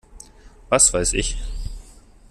Was weiß ich!